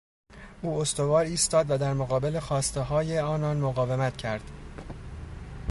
او استوار ایستاد و در مقابل خواستههای آنان مقاومت کرد.